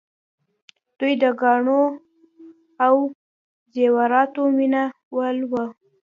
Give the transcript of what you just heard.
دوی د ګاڼو او زیوراتو مینه وال وو